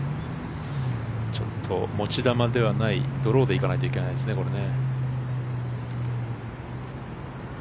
ちょっと持ち球ではないドローでいかないといけないですね、これね。